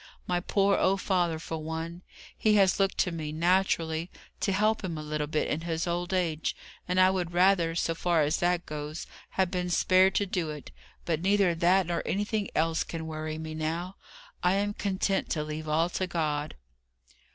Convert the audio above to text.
My poor old father for one; he has looked to me, naturally, to help him a little bit in his old age, and I would rather, so far as that goes, have been spared to do it. But, neither that nor anything else can worry me now. I am content to leave all to God."